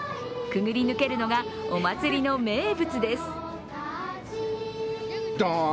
くぐり抜けるのがお祭りの名物です。